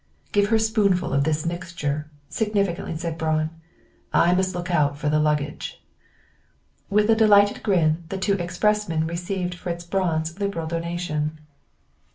"Give her a spoonful of this mixture," significantly said Braun, "I must look out for the luggage." With a delighted grin, the two expressmen received Fritz Braun's liberal donation.